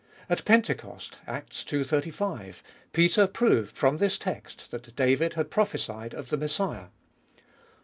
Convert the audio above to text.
At Pentecost (Acts ii. 35) Peter proved from this text that David had prophesied of the Messiah.